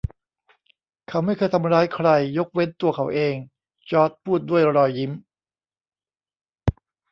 เขาไม่เคยทำร้ายใคร ยกเว้นตัวเขาเอง จอร์จพูดด้วยรอยยิ้ม